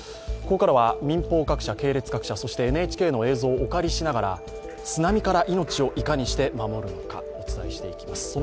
ここからは民放各社、系列各社そしてＮＨＫの映像をお借りしながら津波から命をいかにして守るのかお伝えしていきます。